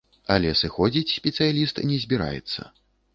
Але сыходзіць спецыяліст не збіраецца.